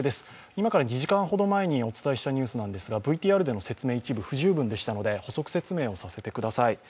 今から２時間ほど前にお伝えしたニュースですがＶＴＲでの説明、一部不十分でしたので補足説明させてください。